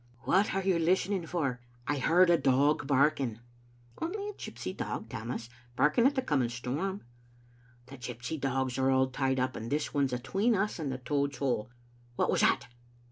" What are you listening for?" " I heard a dog barking." " Only a gypsy dog, Tammas, barking at the coming storm." " The gypsy dogs are all tied up, and this one's atween us and the Toad*s hole. What was that?"